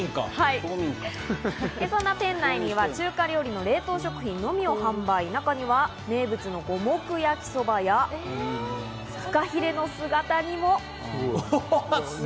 そんな店内には中華料理の冷凍食品のみを販売する、中には名物の五目焼きそばや、フカヒレの姿煮も。